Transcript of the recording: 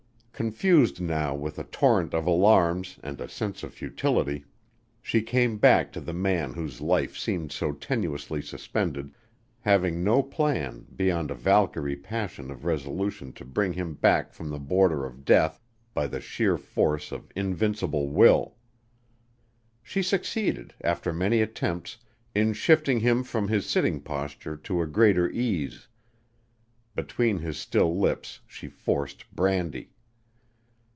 Confused now with a torrent of alarms and a sense of futility, she came back to the man whose life seemed so tenuously suspended, having no plan beyond a Valkyrie passion of resolution to bring him back from the border of death by the sheer force of invincible will. She succeeded, after many attempts, in shifting him from his sitting posture to a greater ease. Between his still lips she forced brandy.